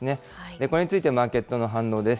これについてマーケットの反応です。